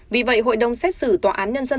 vì vậy hội đồng xét xử tòa án nhân dân